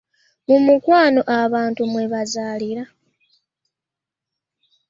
Mu mukwano abantu mwe bazaalira.